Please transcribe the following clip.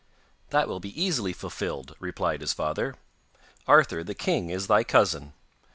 'That will be easily fulfilled,' replied his father. 'Arthur the king is thy cousin.